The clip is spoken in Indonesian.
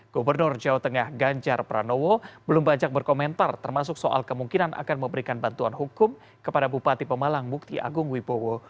gubernur jawa tengah ganjar pranowo belum banyak berkomentar termasuk soal kemungkinan akan memberikan bantuan hukum kepada bupati pemalang mukti agung wibowo